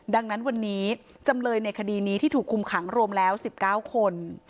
ดังนั้นวันนี้จำเลยในคดีนี้ที่ถูกคุมขังรวมแล้ว๑๙คน